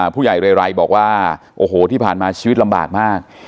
ผู้ใหญ่เรย์ไหร่บอกว่าที่ผ่านมาชีวิตลำบากมาก